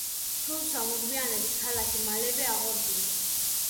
თუმცა მოგვიანებით ქალაქი მალევე აღორძინდა.